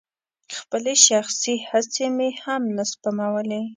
خپلې شخصي هڅې مې هم نه سپمولې.